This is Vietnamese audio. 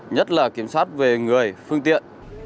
nhất là kiểm soát về người phương tiện